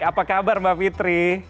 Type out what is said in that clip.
apa kabar mbak fitri